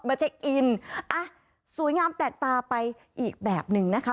เช็คอินอ่ะสวยงามแปลกตาไปอีกแบบหนึ่งนะคะ